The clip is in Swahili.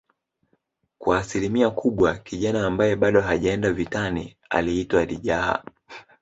kwa asilimia kubwa kijana ambaye bado hajaenda vitani aliitwa lijaha